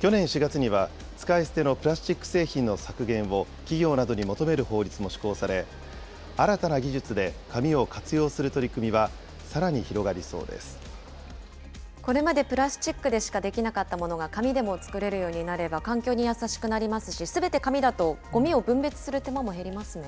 去年４月には、使い捨てのプラスチック製品の削減を企業などに求める法律も施行され、新たな技術で紙を活用する取り組みは、さらこれまでプラスチックでしかできなかったものが、紙でも作れるようになれば、環境に優しくなりますし、すべて紙だと、ごみを分別する手間も減りますね。